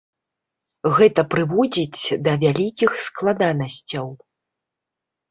Гэта прыводзіць да вялікіх складанасцяў.